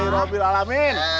ya allah alamin